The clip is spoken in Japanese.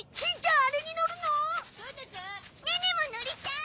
ネネも乗りたい！